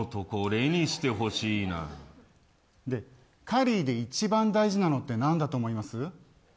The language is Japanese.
カリーで一番大事なのってなんだと思います。